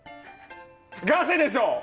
ガセでしょ！